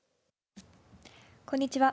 こんにちは。